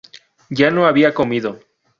yo no había comido